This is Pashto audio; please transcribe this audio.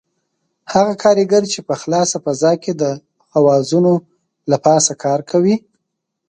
هغه کاریګر چې په خلاصه فضا کې د خوازونو له پاسه کار کوي.